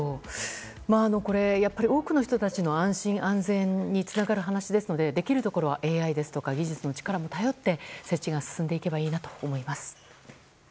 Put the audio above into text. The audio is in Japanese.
これ、やっぱり多くの人たちの安心・安全につながる話ですのでできるところはＡＩですとか技術の力も頼って設置が進んでいけばいいなと思います。